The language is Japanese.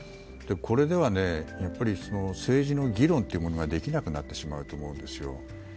これでは政治の議論というものができなくなってしまうと思うんですよ。